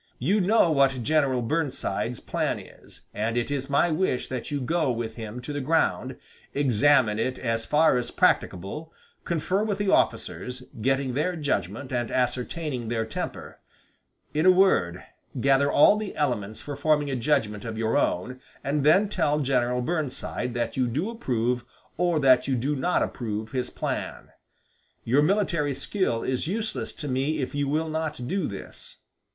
You know what General Burnside's plan is, and it is my wish that you go with him to the ground, examine it as far as practicable, confer with the officers, getting their judgment and ascertaining their temper; in a word, gather all the elements for forming a judgment of your own, and then tell General Burnside that you do approve, or that you do not approve, his plan. Your military skill is useless to me if you will not do this."